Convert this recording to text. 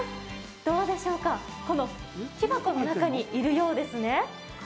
どうでしょうか、この木箱の中にいるようですね。